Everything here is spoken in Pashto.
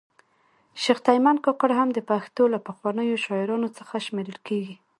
شیخ تیمن کاکړ هم د پښتو له پخوانیو شاعرانو څخه شمېرل کیږي